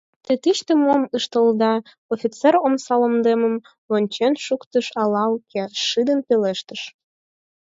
— Те тыште мом ыштылыда?! — офицер, омсалондемым вончен шуктыш ала уке, шыдын пелештыш.